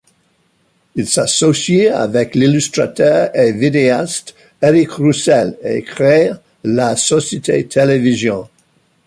Il s'associe avec l'illustrateur et vidéaste Eric Roussel et crée la société Télévision.